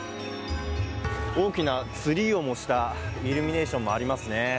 大きなツリーを模したイルミネーションもありますね。